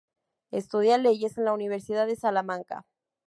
Estudia leyes en la Universidad de Salamanca.